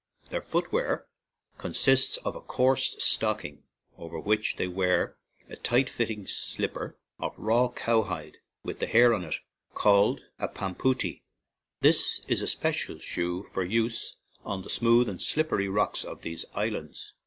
Their foot wear consists of a coarse stocking, over which they wear a tight fitting slipper of raw cowhide with the hair on it, called a "pampootie." This is a special shoe for use on the smooth and slippery rocks of these islands.